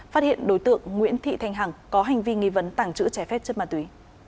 phát hiện đối tượng nguyễn thị thanh hằng có hành vi nghi vấn tàng trữ trái phép chất ma túy